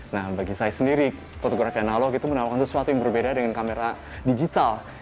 nah bagi saya sendiri fotografi analog itu menawarkan sesuatu yang berbeda dengan kamera digital